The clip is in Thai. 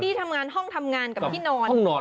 ที่ทำงานห้องทำงานกับที่นอน